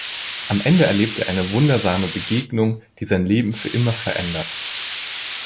Am Ende erlebt er eine wundersame Begegnung, die sein Leben für immer verändert.